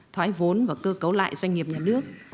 thoái vốn và cơ cấu lại doanh nghiệp nhà nước